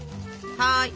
はい。